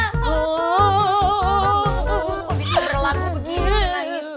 kok bisa berlaku begini